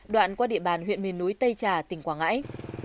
đoạn qua địa bàn huyện miền núi tây trà tỉnh quảng ngãi